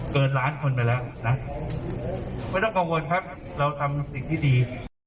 เกินล้านคนไปแล้วนะไม่ต้องกังวลครับเราทำสิ่งที่ดี